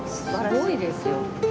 すごいですよ。